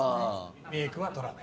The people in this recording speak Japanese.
メイクは取らない。